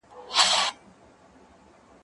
که وخت وي، مړۍ خورم!.